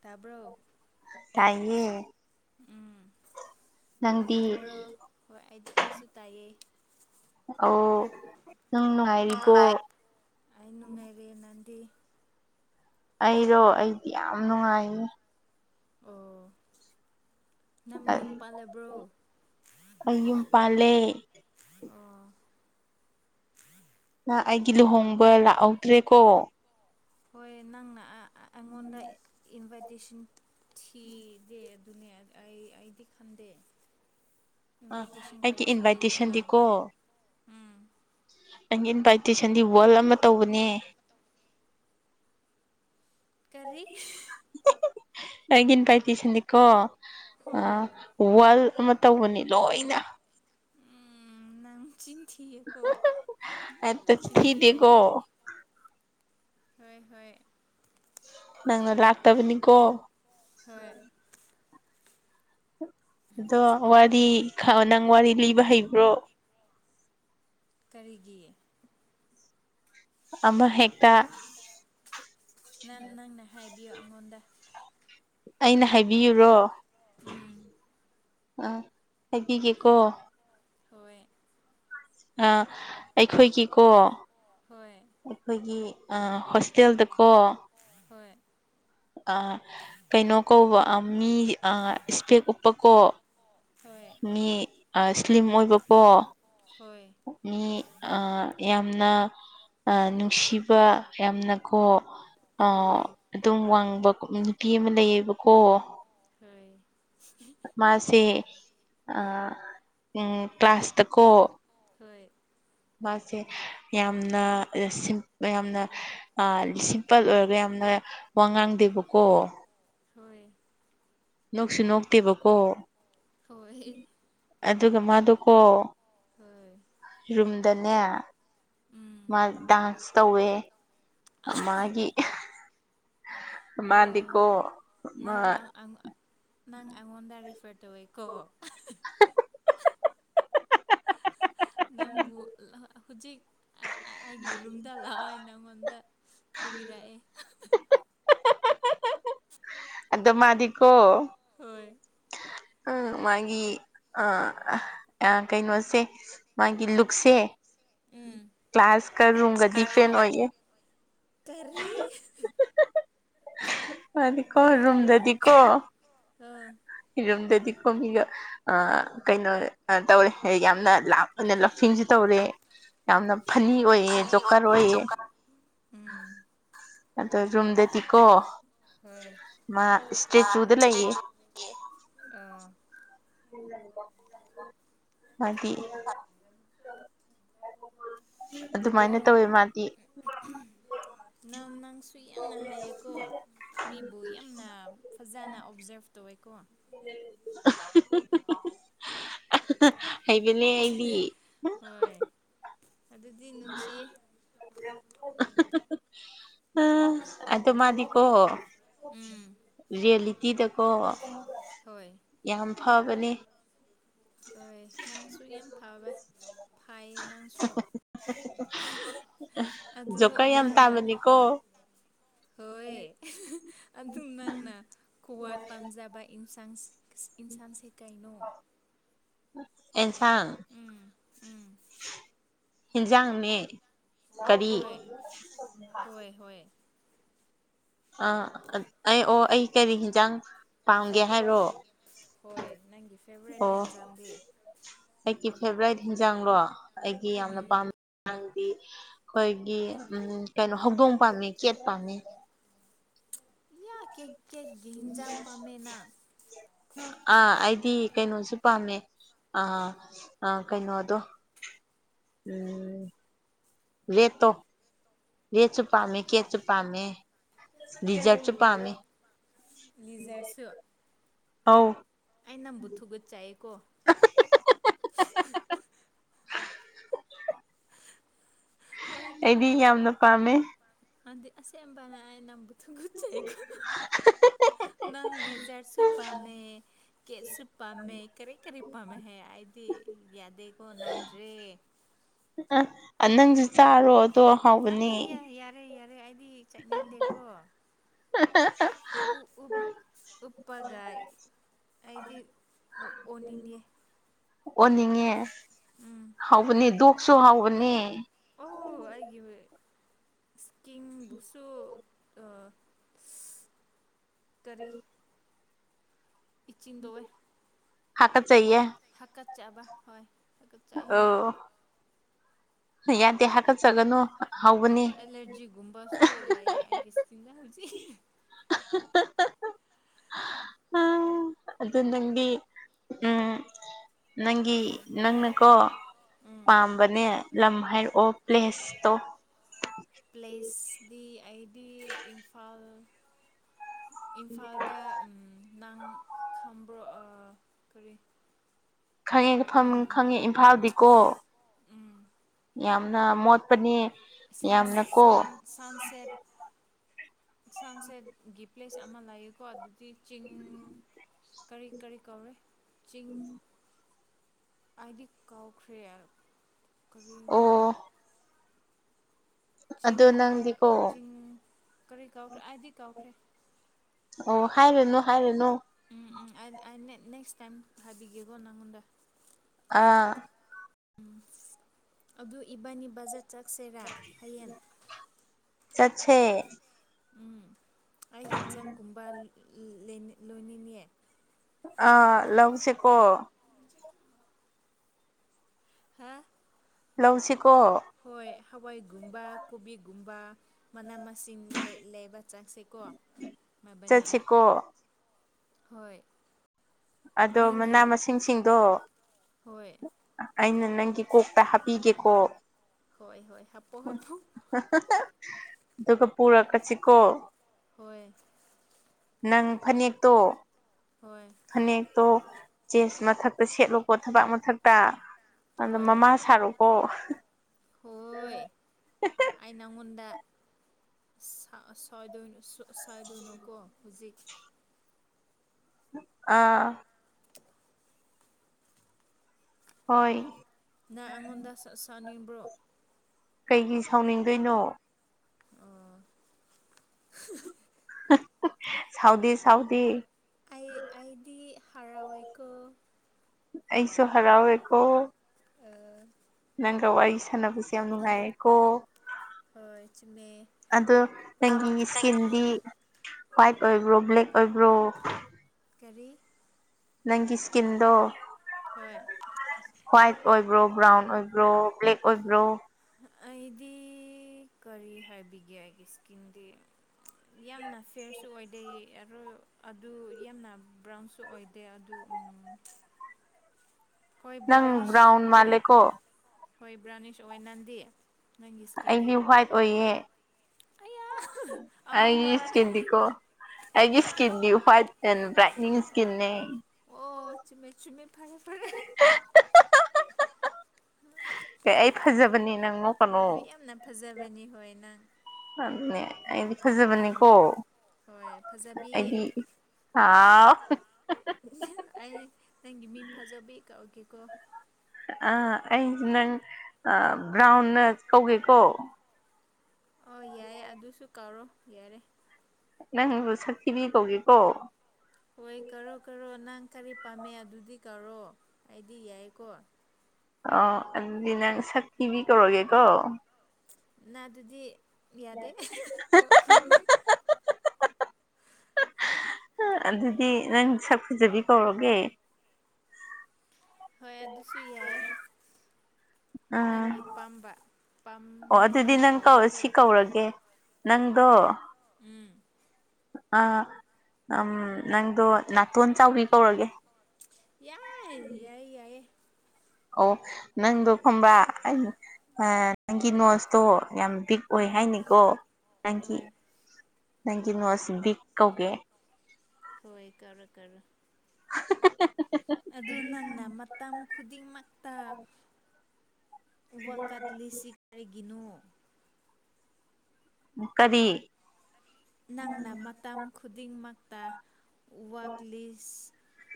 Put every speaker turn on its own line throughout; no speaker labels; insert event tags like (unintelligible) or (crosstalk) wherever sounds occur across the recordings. ꯇꯥꯕ꯭ꯔꯣ
ꯇꯥꯏꯌꯦ
ꯎꯝ
ꯅꯪꯗꯤ
ꯅꯨꯡꯉꯥꯏꯕ꯭ꯔꯣ ꯍꯣꯏ ꯑꯩꯗꯤ ꯑꯩꯁꯨ ꯇꯥꯏꯌꯦ
ꯑꯣ
ꯑꯩ ꯅꯨꯡꯉꯥꯏꯔꯦ ꯅꯗꯤ
ꯑꯩꯔꯣ ꯑꯩꯗꯤ ꯌꯥꯝ ꯅꯨꯡꯉꯥꯏꯌꯦ
ꯑꯣ ꯅꯪ ꯌꯨꯝ ꯄꯥꯜꯂꯕ꯭ꯔꯣ
ꯑꯩ ꯌꯨꯝ ꯄꯥꯂꯦ
ꯑꯣ
ꯅ ꯑꯩꯒꯤ ꯂꯨꯍꯣꯡꯕ ꯂꯥꯛꯍꯧꯗ꯭ꯔꯦꯀꯣ
ꯍꯣꯏ ꯅꯪꯅ ꯑꯩꯉꯣꯟꯗ ꯏꯟꯚꯥꯏꯇꯦꯁꯟ ꯊꯤꯗꯦ ꯑꯗꯨꯅꯦ ꯑꯩ ꯑꯩꯗꯤ ꯈꯟꯗꯦ
ꯑ
ꯏꯟꯚꯥꯏꯇꯦꯁꯟ
ꯑꯩꯒꯤ
ꯀꯥꯔꯗ ꯊꯤꯗꯦꯀꯣ ꯅꯪ
ꯏꯟꯚꯥꯏꯇꯦꯁꯟꯗꯤꯀꯣ
ꯎꯝ
ꯑꯩꯒꯤ ꯏꯟꯚꯥꯏꯇꯦꯁꯟꯗꯤ ꯋꯜ ꯑꯃ ꯇꯧꯕꯅꯦ
ꯀꯔꯤ
ꯑꯩꯒꯤꯅ ꯄꯥꯏ ꯄꯤꯁꯤꯅꯤꯀꯣ ꯑ
ꯍꯣꯏ
ꯋꯥꯜ ꯑꯃ ꯇꯧꯕꯅꯤ ꯂꯣꯏꯅ
ꯑꯪ ꯆꯤꯟꯊꯌꯀꯣ ꯌꯥꯝꯅ
ꯍꯦꯛꯇ
ꯆꯤꯟꯊꯦꯌꯦ
ꯊꯤꯗꯦꯀꯣ
ꯍꯣꯏ ꯍꯣꯏ
ꯅꯪꯅ ꯂꯥꯛꯇꯕꯅꯤꯀꯣ
ꯍꯣꯏ
ꯑꯗꯣ ꯋꯥꯔꯤ ꯅꯪ ꯋꯥꯔꯤ ꯂꯤꯕ ꯍꯩꯕ꯭ꯔꯣ
ꯀꯔꯤꯒꯤ
ꯑꯃꯃ ꯍꯦꯛꯇ
ꯅ ꯅꯪꯅ ꯍꯥꯏꯕꯤꯌꯨ ꯑꯩꯉꯣꯟꯗ
ꯑꯩꯅ ꯍꯥꯏꯕꯤꯌꯨꯔꯣ
ꯎꯝ
ꯑꯥ ꯍꯥꯏꯕꯤꯒꯦꯀꯣ
ꯍꯣꯏ
ꯑ ꯑꯩꯈꯣꯏꯒꯤꯀꯣ
ꯍꯣꯏ
ꯑꯩꯈꯣꯏꯒꯤ ꯍꯣꯁꯇꯦꯜꯗꯀꯣ
ꯍꯣꯏ
ꯑ ꯀꯩꯅꯣ ꯀꯧꯕ ꯃꯤ ꯑ ꯏꯁꯄꯦꯛ ꯎꯞꯄꯀꯣ
ꯍꯣꯏ
ꯃꯤ ꯁ꯭ꯂꯤꯝ ꯑꯣꯏꯕꯀꯣ
ꯍꯣꯏ
ꯃꯤ ꯑ ꯌꯥꯝꯅ ꯅꯨꯡꯁꯤꯕ ꯌꯥꯝꯅ ꯀꯣ ꯑ
ꯍꯣꯏ
ꯑꯗꯨꯝ ꯋꯥꯡꯕ ꯅꯨꯄꯤ ꯑꯃ ꯂꯩꯌꯦꯕꯀꯣ
ꯍ
ꯃꯥꯁꯤꯦ ꯑ ꯎꯝ ꯀ꯭ꯂꯥꯁꯇꯀꯣ
ꯍꯣꯏ
ꯃꯥꯁꯦ ꯌꯥꯝꯅ ꯁꯤꯝ ꯌꯥꯝꯅ ꯑ ꯁꯤꯝꯄꯜ ꯑꯣꯏꯔꯒ ꯌꯥꯝꯅ ꯋꯥ ꯉꯥꯡꯗꯦꯕꯀꯣ
ꯍꯣꯏ
ꯅꯣꯛꯁꯨ ꯅꯣꯛꯇꯦꯕꯀꯣ
ꯍ ꯍ
ꯑꯗꯨꯒ ꯃꯥꯗꯨꯀꯣ
ꯍꯣꯏ
ꯔꯨꯝꯗꯅꯦ
ꯎꯝ
ꯃꯥ ꯗꯥꯟꯁ ꯇꯧꯋꯦ ꯃꯥꯒꯤ
ꯑꯣ
ꯃꯥꯟꯗꯤꯀꯣ
ꯅꯪ ꯅꯪ ꯑꯩꯉꯣꯟꯗ ꯔꯤꯐꯔ ꯇꯧꯋꯦꯀꯣ
(unintelligible)
ꯅꯪꯕꯨ ꯍꯧꯖꯤꯛ ꯑꯩꯒꯤ ꯔꯨꯝꯗ ꯂꯥꯛꯑꯣꯏ ꯅꯪꯉꯣꯟꯗ ꯐꯨꯕꯤꯔꯛꯑꯦ
ꯑꯗ ꯃꯥꯗꯤꯀꯣ
ꯍꯣꯏ
ꯎ ꯃꯥꯒꯤ ꯑ ꯀꯩꯅꯣꯁꯦ ꯃꯥꯒꯤ ꯂꯨꯛꯁꯦ
ꯎꯝ
ꯀ꯭ꯂꯥꯁ ꯀꯔꯨꯒ ꯗꯤꯐꯦꯟ ꯑꯣꯏꯌꯦ
ꯇꯔꯤ
ꯃꯥꯗꯤꯀꯣ
ꯀꯔꯤ ꯍꯥꯏꯕ
ꯔꯨꯝꯝꯗꯗꯤꯀꯣ
ꯑꯥ
ꯏꯔꯝꯗꯗꯤ ꯀꯒ ꯀꯩꯅꯣ ꯇꯧꯔꯦ ꯌꯥꯝꯅ ꯂꯞ ꯂꯐꯤꯡꯁꯨꯦ ꯇꯧꯔꯦ ꯌꯥꯝꯅ ꯐꯅꯤ ꯑꯣꯏꯌꯦ ꯖꯣꯀꯔ ꯑꯣꯏꯌꯦ
ꯎꯝ
ꯑꯗꯣ ꯔꯨꯝꯗ ꯇꯤꯀꯣ ꯂꯩꯌꯦ
ꯎꯝ ꯎꯝ
ꯑꯗꯨꯗꯤ ꯑꯗꯨꯃꯥꯏꯅ
ꯑꯣ
ꯇꯧꯋꯦ ꯃꯥꯗꯤ
ꯅꯪ ꯅꯪꯁꯨ ꯌꯥꯝꯅ ꯍꯥꯏꯌꯦꯀꯣ ꯃꯤꯕꯨ ꯌꯥꯝꯅ ꯐꯖꯅ ꯑꯣꯕꯖꯔꯞ ꯇꯧꯋꯦꯀꯣ
ꯍꯥꯏꯕꯅꯦ ꯍꯥꯏꯗꯤ
ꯍꯣꯏ ꯑꯗꯨꯗꯤ ꯅꯨꯡꯁꯤꯌꯦ
ꯑ ꯑꯗꯣ ꯃꯥꯗꯤꯀꯣꯣ
ꯎꯝ
ꯔꯤꯌꯦꯂꯤꯇꯤꯗꯀꯣ
ꯍꯣꯏ
ꯌꯥꯝ ꯐꯕꯅꯦ
ꯐꯩ ꯅꯪꯁꯨ ꯌꯥꯝ ꯐꯕꯦ ꯐꯌꯦ ꯅꯪꯁꯨ ꯑꯗꯨ
ꯖꯣꯀ ꯌꯥꯝ
ꯅꯪꯅ
ꯇꯥꯕꯅꯤꯀꯣ
ꯍꯣꯏ ꯑꯗꯨ ꯑꯗꯨꯝ ꯅꯪꯅ ꯈꯋꯥ ꯄꯥꯝꯖꯕ ꯟꯁꯥꯡ ꯏꯟꯁꯥꯡꯁꯦ ꯀꯥꯏꯩꯅꯣ
ꯑꯦꯟꯁꯥꯡ
ꯎꯝ ꯎꯝ
ꯍꯦꯟꯖꯥꯡ ꯃ
ꯍꯣꯏ ꯍꯣꯏ ꯍꯣꯏ
ꯑꯥ ꯑꯩ ꯑꯣ ꯑꯩ ꯀꯔꯤ ꯌꯦꯟꯖꯥꯡ ꯄꯥꯝꯒꯦ ꯍꯥꯏꯔꯣ
ꯍꯣꯏ ꯅꯪꯒꯤ ꯐꯦꯚꯣꯔꯥꯏꯠ
ꯑꯣ
ꯍꯦꯟꯖꯝꯗꯤ
ꯑꯩꯒꯤ ꯐꯦꯚꯔꯥꯏꯠ ꯌꯦꯟꯖꯥꯡꯂꯣ ꯑꯩꯒꯤ ꯌꯥꯝꯅ
ꯎꯝ
ꯄꯥꯝꯕ ꯪꯗꯤ ꯑꯩꯈꯣꯏꯒꯤ ꯎꯝ ꯀꯩꯅꯣ ꯍꯧꯗꯣꯡ ꯄꯥꯝꯃꯤ ꯀꯦꯠ ꯄꯥꯝꯃꯤ
ꯌꯥ ꯀꯦꯛ ꯀꯦꯛ ꯒꯤꯟꯖꯝ ꯄꯥꯝꯃꯦꯅꯥ
ꯑꯥ ꯑꯩꯗꯤ ꯀꯩꯅꯣꯁꯨ ꯄꯥꯝꯃꯦ ꯑ ꯑ ꯀꯩꯅꯩꯅꯣ ꯑꯗꯣ ꯎꯝ ꯂꯦꯠꯇꯣ ꯔꯦꯠꯁꯨ ꯄꯥꯝꯃꯦ ꯀꯦꯛꯁꯨ ꯄꯥꯝꯃꯦ ꯗꯤꯖꯔꯠꯁꯨ ꯄꯥꯝꯃꯦ
ꯂꯤꯖꯔꯁꯨ
ꯑꯧꯥꯎ
ꯑꯩ ꯅꯝꯕꯨ ꯊꯨꯒꯠꯆꯥꯏꯌꯦꯀꯣ
(inaudible)
ꯑ
ꯑꯩꯗꯤ
ꯅꯝꯝꯕꯕꯨ
ꯌꯥꯝꯅ ꯄꯥꯝꯃꯦ
ꯑꯗꯤ ꯑꯁꯦ ꯑꯝꯕꯅ ꯅꯝꯝꯕ ꯒꯨꯠꯆꯩꯀꯣ ꯅꯪ ꯂꯤꯖꯔꯁꯨ ꯄꯥꯝꯃꯦ ꯀꯦꯠꯁꯨ ꯄꯥꯝꯃꯦ ꯀꯔꯤ ꯀꯔꯤ ꯄꯥꯝꯃꯦ ꯍꯥꯏ ꯑꯩꯗꯤ ꯌꯥꯗꯦꯀꯣ ꯅꯝꯗ꯭ꯔꯦ
ꯑ
ꯎ ꯅꯠꯇꯦ ꯌꯥꯔꯦ ꯌꯥꯔꯦ ꯑꯩꯗꯤ ꯆꯠꯅꯤꯡꯗꯦꯀꯣ
(inaudible)
ꯎꯞꯄꯒꯥꯏ ꯑꯩꯗꯤ ꯑꯣꯅꯤꯌꯦ
ꯑꯣꯟꯅꯤꯡꯉꯦ
ꯎꯝ
ꯍꯥꯎꯕꯅꯤ ꯗꯣꯛꯁꯨ ꯍꯥꯎꯕꯅꯦ
ꯑꯣ ꯑꯩꯒꯤ ꯏꯁꯀꯤꯝ ꯕꯨꯁꯨꯣ ꯀꯔꯤ ꯏꯆꯤꯟꯗꯧꯋꯦ
ꯍꯥꯀꯠꯆꯩꯌꯦ
ꯐꯀꯠ ꯆꯥꯕ ꯍꯣꯏ ꯍꯥꯀꯠꯆꯩ
ꯑ ꯌꯥꯗ ꯍꯥꯏꯒ ꯆꯒꯅꯣ
ꯑꯦꯂꯔꯖꯤ ꯨꯝꯕꯁꯨ ꯂ ꯑꯒꯤ ꯏꯁꯇꯖ ꯍꯧꯖꯤꯦ
(unintelligible) ꯑ ꯑꯗꯨꯗ ꯅꯪꯗꯤ ꯎꯝ ꯅꯪꯤ ꯅꯪꯅꯀꯣ ꯄꯥꯝꯕꯅꯦ ꯂꯝ ꯍꯥꯏꯔꯛꯑꯣ ꯄ꯭ꯂꯦꯁꯇꯣ
ꯄ꯭ꯂꯦꯁꯗꯤ ꯑꯩꯗꯤ ꯏꯝꯐꯥꯜ ꯏꯝꯐꯥꯜꯗ ꯅꯪ ꯈꯥꯝꯕ꯭ꯔꯣ ꯀꯔꯤ
ꯈꯪꯉꯦ ꯈꯪꯉꯦ ꯏꯝꯐꯥꯜꯗꯤꯀꯣ ꯌꯥꯝꯅ ꯃꯣꯠꯄꯅꯤ
ꯁ ꯁꯟ ꯁꯟꯁꯦꯠ ꯁꯟꯁꯦꯠ ꯒꯤ ꯄ꯭ꯂꯦꯁ ꯑꯃ ꯂꯩꯌꯦꯀꯣ ꯑꯗꯨꯗꯤ ꯆꯤꯡ ꯀꯔꯤ ꯀꯔꯤ ꯀꯧꯔꯦ ꯆꯤꯡ ꯑꯩꯗꯤ ꯀꯥꯎꯈ꯭ꯔꯦ ꯀꯔꯤꯃꯤ
ꯑꯣ
ꯆꯤꯡ
ꯑꯗꯣ
ꯃꯥꯏ
ꯅꯪꯗꯤꯀꯣ
ꯆꯤꯡ ꯀꯔꯤ ꯀꯥꯎꯈ꯭ꯔꯦ ꯑꯩꯗꯤ ꯀꯥꯎꯈ꯭ꯔꯦ
ꯑꯣ ꯍꯥꯏꯔꯦꯅꯨ ꯍꯥꯏꯔꯦꯅꯨ
ꯎꯝ ꯎꯝ ꯑ ꯅꯦꯛꯁ ꯇꯥꯏꯝ ꯍꯥꯏꯕꯤꯒꯦꯒꯣ ꯅꯪꯣꯟꯗ
ꯑꯥ
ꯑꯗꯨ ꯏꯕꯥꯅꯤ ꯕꯖꯔꯠ ꯆꯠꯁꯦꯔꯥ ꯍꯌꯦꯡ
ꯆꯠꯁꯦ
ꯎꯝ ꯑꯩ ꯍꯤꯟꯖꯥꯡꯒꯨꯝꯕ ꯂꯣꯏꯅꯤꯡꯌꯦ
ꯑ ꯂꯧꯁꯤꯦꯀꯣ
ꯍꯥꯦ
ꯂꯧꯁꯤꯀꯣ
ꯍꯣꯏ ꯍꯋꯥꯏꯒꯨꯝꯕ ꯀꯣꯕꯤꯒꯨꯝꯕ ꯃꯅꯥ ꯃꯁꯤꯡꯂꯦꯕ ꯆꯥꯛꯁꯦꯀꯣ ꯍꯥꯏꯅꯤ
ꯆꯠꯁꯤꯀꯣ
ꯍꯣꯏ
ꯑꯗꯣ
ꯅꯣꯏꯒꯤ
ꯃꯅꯥ ꯃꯁꯤꯡꯁꯤꯡꯗꯣ
ꯍꯣꯏ
ꯑꯩꯅ ꯅꯪꯒꯤ ꯀꯣꯛꯇ ꯍꯥꯞꯄꯤꯒꯦꯀꯣ
ꯍꯣꯏ ꯍꯣꯏ ꯍꯥꯞꯄꯣ ꯍꯥꯞꯄꯣ
ꯑꯗꯨꯒ ꯄꯨꯔꯛꯀꯁꯤꯀꯣ
ꯍꯣꯏ
ꯅꯪ ꯐꯅꯦꯛꯇꯣ
ꯍꯣꯏ
ꯐꯅꯦꯛꯇꯣ ꯆꯦꯟꯁ ꯃꯊꯛꯇ ꯁꯦꯠꯂꯨꯀꯣ ꯊꯕꯥꯛ ꯃꯊꯛꯇ ꯑꯗꯣ
ꯍꯣꯏ
ꯃꯃꯥ ꯁꯥꯔꯨꯀꯣ
ꯍꯣꯏ ꯑꯩ ꯅꯪꯉꯣꯟꯗ ꯁꯣꯏꯗꯣꯏꯅꯣ ꯆꯥꯏꯗꯣꯏꯅꯣꯀꯣ ꯍꯧꯖꯤꯛ
ꯑꯥ ꯍꯣꯏ
ꯅꯪ ꯑꯩꯉꯣꯟꯗ ꯆꯥꯅꯤꯡꯕ꯭ꯔꯣ
ꯀꯩꯒꯤ ꯁꯥꯎꯅꯤꯡꯗꯣꯏꯅꯣ
ꯑ
ꯁꯥꯎꯗꯤ ꯁꯥꯎꯗꯤ
ꯑꯩ ꯑꯩꯗꯤ ꯍꯔꯥꯎꯩꯀ
ꯑꯩꯁꯨ ꯍꯔꯥꯎꯦꯀꯣ
ꯑ
ꯅꯪꯒ ꯋꯥꯔꯤ ꯁꯥꯟꯅꯕꯁꯦ ꯌꯥꯝ ꯅꯨꯡꯉꯥꯏꯌꯦ ꯀꯣ
ꯄꯆ ꯃꯦ
ꯑꯗꯣ ꯅꯪꯒꯤ ꯏꯁꯀꯤꯟꯗꯤ ꯋꯥ꯭ꯏꯠ ꯑꯣꯏꯕ꯭ꯔꯣ ꯕ꯭ꯂꯦꯛ ꯑꯣꯏꯕ꯭ꯔꯣ
ꯀꯦꯔꯤ
ꯅꯪꯒꯤ ꯏꯁꯀꯤꯗꯣ
ꯍꯣꯏ
ꯍ꯭ꯋꯥꯏꯠ ꯑꯣꯏꯕ꯭ꯔꯣ ꯕ꯭ꯔꯥꯎꯟ ꯑꯣꯏꯕ꯭ꯔꯣ ꯕ꯭ꯂꯦꯛ ꯑꯣꯏꯕ꯭ꯔꯣ
ꯑꯩꯗꯤ ꯀꯔꯤ ꯍꯥꯏꯕꯤꯒꯦ ꯑꯩꯒꯤ ꯏꯁꯀꯤꯟꯗꯤ ꯌꯥꯝꯅ ꯐꯤꯦꯔꯁꯨ ꯑꯣꯏꯗꯦ ꯑꯣꯏ ꯑꯗꯨ ꯌꯥꯝꯅ ꯕ꯭ꯔꯥꯎꯟꯁꯨ ꯑꯣꯏꯗꯦ ꯑꯗꯨ ꯍꯣꯏ
ꯅꯪ
ꯕ꯭ꯔꯥꯎꯅꯤꯁ
ꯕ꯭ꯔꯥꯎꯟ
ꯎꯏꯦ
ꯃꯥꯜꯂꯦꯀꯣ
ꯍꯣꯏ ꯕ꯭ꯔꯥꯎꯅꯤꯁ ꯑꯣꯏ ꯅꯥꯟꯗꯤ
ꯑꯩꯗꯤ ꯍ꯭ꯋꯥꯏꯠ ꯑꯣꯏꯌꯦ
ꯑꯌꯥ
ꯑꯩꯒꯤ
ꯑꯃꯨꯕꯔꯥ
ꯏꯁꯀꯤꯟꯗꯤꯀꯣ ꯑꯩꯒꯤ ꯏꯁꯀꯤꯟꯅꯤ ꯋꯥꯏꯠ ꯑꯦ ꯭ꯔꯥꯏꯅꯤꯡ
ꯑꯣ
ꯏꯁꯀꯤꯟꯅꯤ
ꯑꯣ ꯆꯨꯝꯃꯦꯠ ꯆꯨꯝꯃꯦ ꯐꯔꯦ ꯐꯔꯦ ꯑꯝ
ꯑꯩ ꯐꯖꯕꯅꯤ ꯅꯪ
ꯍꯣꯏ
ꯅꯣꯛꯀꯅꯣ
ꯌꯥꯝꯅ ꯐꯖꯕꯅꯤ ꯍꯣꯏ ꯅꯪ
ꯑꯗꯨꯅꯦ ꯑꯩꯗꯤ ꯐꯖꯕꯅꯦꯀꯣ
ꯍꯣꯏ ꯐꯖꯕꯤ
ꯑꯩꯗꯤ ꯑꯥꯎ
ꯑꯩ ꯅꯪꯒꯤ ꯃꯤꯡ ꯐꯖꯕꯤ ꯀꯛꯎꯒꯦꯀꯣ
ꯑ ꯑꯩꯁꯦ ꯅꯪ ꯕ꯭ꯔꯥꯎꯟꯅ ꯀꯧꯒꯦꯀꯣ
ꯑꯣ ꯌꯥꯏꯌꯦ ꯑꯗꯨꯁꯨ ꯀꯥꯎꯔꯣ ꯌꯥꯔꯦ꯫
ꯅꯪꯕꯨ ꯁꯛꯊꯤꯕꯤ ꯀꯧꯒꯦꯀꯣ꯫
ꯍꯣꯏ ꯀꯔꯣ ꯀꯔꯣ ꯅꯪ ꯀꯔꯤ ꯄꯥꯝꯃꯦ ꯑꯗꯨꯗꯤ ꯀꯧꯔꯣ ꯑꯩꯗꯤ ꯌꯥꯏꯀꯣ꯫
ꯑꯣ ꯑꯗꯨꯗꯤ ꯅꯪ ꯁꯛꯤꯕꯤ ꯀꯧꯔꯒꯦ ꯀꯣ꯫
ꯅꯥꯗꯨꯗꯤ ꯌꯥꯗꯦ ꯀꯧꯒꯅꯨ꯫
ꯑꯗꯨꯗꯤ ꯅꯪ ꯁꯛ ꯐꯨꯖꯕꯤ ꯀꯧꯔꯒꯦ꯫
ꯍꯣꯏ ꯑꯗꯨꯁꯨ ꯌꯥꯏ꯫
ꯑꯥ
ꯅꯪꯒꯤ ꯄꯥꯝꯕ ꯄꯥꯝꯕ ꯀꯧꯔꯣꯀꯣ꯫
ꯀꯧꯔꯥꯛꯀꯦ꯫ ꯅꯪꯗꯣ꯫
ꯎꯝ꯫
ꯑ ꯎ ꯅꯪꯗꯣ ꯅꯥꯇꯣꯟ ꯆꯥꯎꯕꯤ ꯀꯧꯔꯒꯦ꯫
ꯌꯥꯏ ꯌꯥꯏ ꯌꯥꯏꯌꯦ꯫
ꯑꯣ ꯅꯪꯗꯣ ꯈꯪꯕꯥ꯭ꯔ ꯑꯩ ꯑ꯫ ꯅꯪꯒꯤ ꯅꯣꯁꯇꯣ ꯌꯥꯝ ꯕꯤꯛ ꯑꯣꯏ
ꯎꯝ
ꯍꯥꯏꯅꯤꯀꯣ ꯅꯪꯒꯤ꯫
ꯍꯣꯏ
ꯅꯪꯒꯤ ꯅꯣꯠꯁ ꯕꯤꯛ ꯀꯧꯒꯦ꯫
ꯍꯣꯏ ꯀꯧꯔꯣ ꯀꯧꯔꯣ꯫
(unintelligible)
ꯑꯗꯨ ꯅꯪꯅ ꯃꯇꯝ ꯈꯨꯗꯤꯡꯃꯛꯇ꯫ ꯋꯥ ꯀꯠꯂꯤꯁꯤ ꯀꯔꯤꯒꯤꯅꯣ꯫
ꯀꯔꯤ꯫
ꯅꯪꯅ ꯃꯇꯝ ꯈꯨꯗꯤꯡꯃꯛꯇ꯫ ꯋꯥꯛꯂꯤꯁ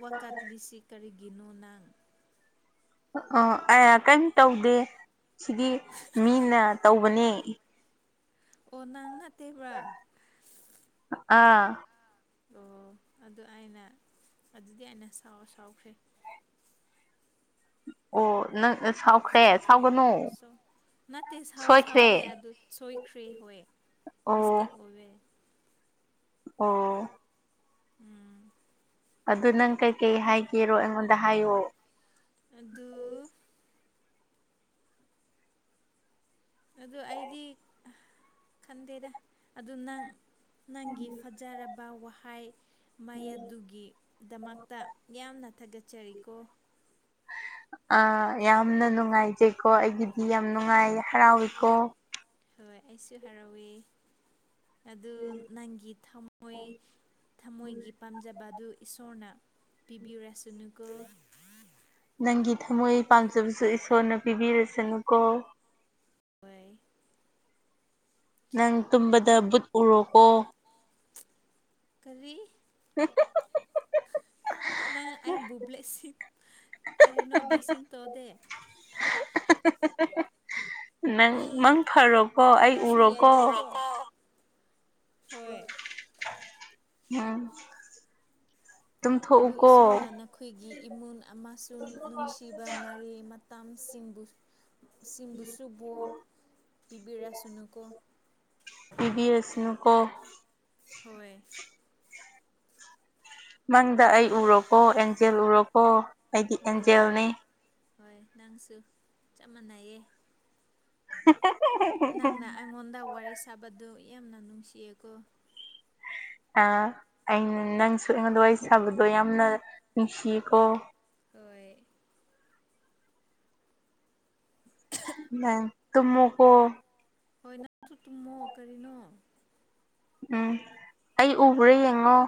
ꯋꯥꯀꯠꯂꯤꯁꯁꯤ ꯀꯔꯤꯒꯤꯅꯣ ꯅꯪ꯫
ꯑꯣ ꯑ ꯀꯔꯤꯝ ꯇꯧꯗꯦ ꯁꯤꯗꯤ ꯃꯤꯅ ꯇꯧꯕꯅꯦ꯫
ꯑꯣ ꯅꯪ ꯅꯠꯇꯦꯕ꯭ꯔꯥ꯫
ꯑꯥ꯫
ꯑꯣ ꯑꯗꯨ ꯑꯩꯅ ꯑꯗꯨꯗꯤ ꯑꯩꯅꯥꯎ ꯁꯥꯎꯈ꯭ꯔꯦ꯫
ꯑꯣ ꯅꯪꯅ ꯁꯥꯎꯈ꯭ꯔꯦ
ꯁꯣꯏꯈ꯭ꯔꯦ
ꯁꯥꯎꯒꯅꯣ꯫
ꯁꯣ ꯅꯠꯇꯦ ꯁꯥꯎ ꯁꯥꯎꯗꯦ ꯑꯗꯨ ꯁꯣꯏꯈ꯭ꯔꯦ ꯍꯣꯏ
ꯑꯣ
ꯃꯤꯁꯇꯦꯛ ꯑꯣꯏꯋꯦ꯫
ꯑꯣ꯫
ꯎꯝ꯫
ꯑꯗꯨ ꯅꯪ ꯀꯩꯀꯩ ꯍꯥꯏꯒꯦꯔꯣ ꯑꯩꯉꯣꯟꯗ ꯍꯥꯏꯌꯣ꯫
ꯑꯗꯨ꯫ ꯑꯗꯨ ꯑꯩꯗꯤ ꯈꯟꯗꯦꯗ ꯑꯗꯨ ꯅꯪ꯫ ꯅꯪꯒꯤ ꯐꯖꯔꯕ ꯋꯥꯍꯩ꯫ ꯃꯩ ꯑꯗꯨꯒꯤꯗꯃꯛꯇ ꯌꯥꯝꯅ ꯊꯥꯒꯠꯆꯔꯤꯀꯣ꯫
ꯍ (unintelligible) ꯑ ꯌꯥꯝꯅ ꯅꯨꯡꯉꯥꯏꯖꯩꯀꯣ ꯑꯩꯒꯤꯗꯤ ꯌꯥꯝ ꯅꯨꯡꯉꯥꯏ ꯍꯔꯥꯎꯋꯤꯀꯣ꯫
ꯍꯣꯏ ꯑꯩꯁꯨ ꯍꯔꯥꯎꯋꯦ꯫ ꯑꯗꯨ ꯅꯪꯒꯤ ꯊꯝꯃꯣꯏ ꯊꯃꯣꯏꯒꯤ ꯄꯥꯝꯖꯕ ꯑꯗꯨ ꯏꯁꯣꯔꯅ꯫ ꯄꯤꯕꯤꯔꯦꯁꯅꯨ ꯀꯣ꯫
ꯅꯪꯒꯤ ꯊꯃꯣꯏ ꯄꯥꯝꯖꯕꯁꯨ ꯏꯁꯣꯔꯅ ꯄꯤꯕꯤꯔꯁꯅꯨꯀꯣ꯫
ꯍꯣꯏ꯫
ꯅꯪ ꯇꯨꯝꯕꯗ ꯕꯨꯠ ꯎꯔꯣꯀꯣ꯫
ꯀꯔꯤ꯫
ꯍ (unintelligible)
ꯅꯪ ꯑꯩꯕꯨ ꯕ꯭ꯂꯦꯁꯤꯡ ꯀꯔꯤꯅꯣ ꯕ꯭ꯂꯦꯁꯤꯡ ꯇꯧꯗꯦ꯫
ꯅꯪ ꯐꯔꯣꯀꯣ ꯑꯩ
ꯅꯪꯁꯨ
ꯎꯔꯣꯀꯣ꯫
ꯌꯥꯗꯦꯀꯣ ꯍꯣꯏ꯫
ꯎꯝ꯫
ꯑꯗꯨ
ꯇꯨꯝꯊꯣꯛꯎꯀꯣ
ꯏꯁꯣꯔꯅ ꯅꯈꯣꯏꯒꯤ ꯏꯃꯨꯟ ꯑꯃꯁꯨꯡ ꯅꯨꯡꯁꯤꯕ ꯃꯔꯤ ꯇꯝꯁꯤꯡꯕꯨ ꯁꯤꯡꯕꯨꯁꯨ ꯕꯣꯔ ꯄꯤꯕꯤꯔꯁꯅꯨꯀꯣ
ꯄꯤꯕꯤ ꯑꯦꯁꯅꯨ ꯀꯣ
ꯍꯣꯏꯣꯏ
ꯃꯪꯗ ꯑꯩ ꯎꯔꯣꯀꯣ ꯑꯦꯟꯖꯦꯜ ꯎꯔꯣꯀꯣ ꯑꯩꯗꯤ
ꯍꯣꯏ ꯍꯣꯏ
ꯑꯦꯟꯖꯦꯜꯅꯤ
ꯍꯣꯏ ꯅꯪꯁꯨ ꯆꯞ ꯃꯥꯟꯅꯩꯌꯦ ꯅꯪꯅ ꯑꯩꯉꯣꯟꯗ ꯋꯥꯔꯤ ꯁꯥꯕꯗꯨ ꯌꯥꯝꯅ ꯅꯨꯡꯁꯤꯌꯦꯀꯣ
ꯑꯩꯅ ꯅꯪꯁꯨ ꯑꯩꯉꯣꯟꯗꯋꯥ ꯋꯥꯔꯤ ꯁꯥꯕꯗꯣ ꯌꯥꯝꯅ ꯅꯨꯡꯁꯤꯌꯦꯀꯣ
ꯍꯣꯏ (unintelligible)
ꯇꯨꯃꯨꯀꯣ
ꯍꯣꯏ ꯅꯪꯁꯨ ꯇꯨꯝꯃꯣ ꯀꯔꯤꯅꯣ
ꯎꯝ ꯑꯩ ꯎꯕ꯭ꯔꯥ ꯌꯦꯡꯉꯣ